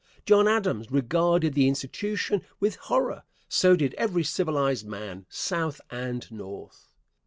John Adams regarded the institution with horror. So did every civilized man, South and North.